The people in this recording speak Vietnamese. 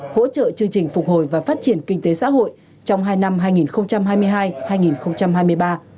hỗ trợ chương trình phục hồi và phát triển kinh tế xã hội trong hai năm hai nghìn hai mươi hai hai nghìn hai mươi ba